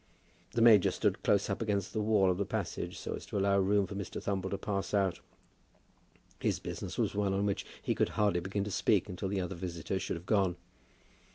The major stood close up against the wall of the passage, so as to allow room for Mr. Thumble to pass out. His business was one on which he could hardly begin to speak until the other visitor should have gone.